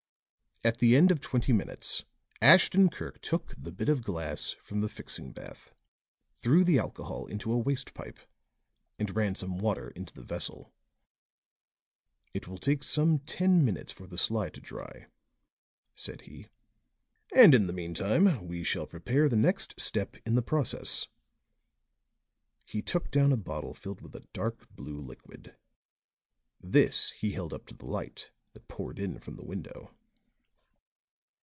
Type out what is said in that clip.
At the end of twenty minutes, Ashton Kirk took the bit of glass from the fixing bath, threw the alcohol into a waste pipe and ran some water into the vessel. "It will take some ten minutes for the slide to dry," said he. "And in the meantime we shall prepare the next step in the process." He took down a bottle filled with a dark blue liquid. This he held up to the light that poured in from the window.